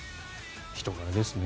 人柄ですね。